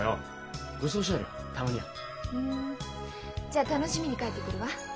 じゃ楽しみに帰ってくるわ。